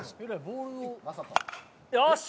よし！